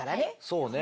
そうね。